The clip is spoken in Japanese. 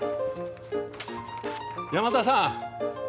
山田さん。